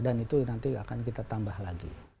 dan itu nanti akan kita tambah lagi